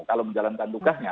kalau menjalankan tugasnya